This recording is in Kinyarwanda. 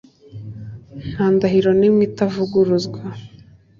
Nta ndahiro nimwe itavuguruzwa